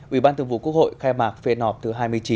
ủy ban thường vụ quốc hội khai mạc phiên họp thứ hai mươi chín